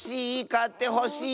かってほしい！